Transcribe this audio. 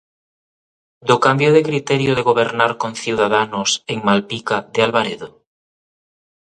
¿Do cambio de criterio de gobernar con Ciudadanos en Malpica de Albaredo?